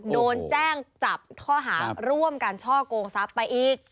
โดนแจ้งจับข้อหาร่วมการช่อกงทรัพย์ไปอีก